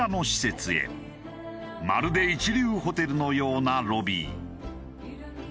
まるで一流ホテルのようなロビー。